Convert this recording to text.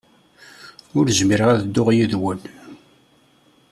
Ur zmireɣ ad dduɣ yid-wen.